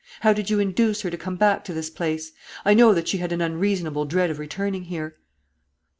How did you induce her to come back to this place? I know that she had an unreasonable dread of returning here."